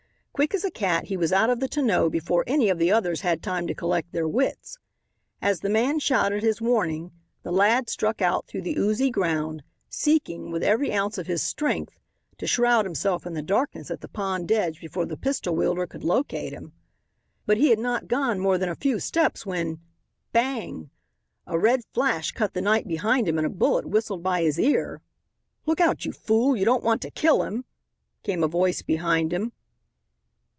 Quick as a cat he was out of the tonneau before any of the others had time to collect their wits. As the man shouted his warning the lad struck out through the oozy ground, seeking, with every ounce of his strength, to shroud himself in the darkness at the pond edge before the pistol wielder could locate him. But he had not gone more than a few steps when Bang! A red flash cut the night behind him and a bullet whistled by his ear. "Look out, you fool, you don't want to kill him," came a voice behind him.